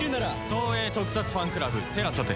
東映特撮ファンクラブＴＥＬＡＳＡで。